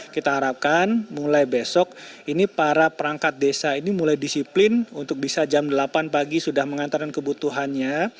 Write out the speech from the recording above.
kita harapkan mulai besok ini para perangkat desa ini mulai disiplin untuk bisa jam delapan pagi sudah mengantarkan kebutuhannya